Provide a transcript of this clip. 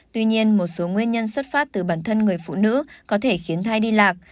tuy nhiên một số nguyên nhân xuất phát từ bản thân người phụ nữ có thể khiến thai đi lạc